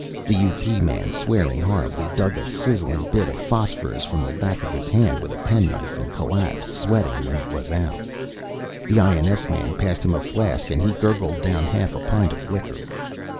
The U.P. man, swearing horribly, dug a sizzling bit of phosphorus from the back of his hand with a pen knife and collapsed, sweating, when it was out. The I.N.S. man passed him a flask and he gurgled down half a pint of liquor.